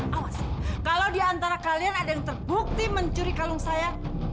awas kalau di antara kalian ada yang terbukti mencuri kalung saya